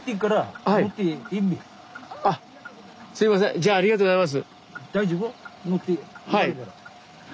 じゃあありがとうございます。